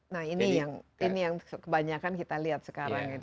nah ini yang kebanyakan kita lihat sekarang ini